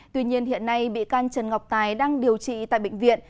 tuy nhiên hiện nay bị can trần ngọc tài đang điều trị tại bệnh viện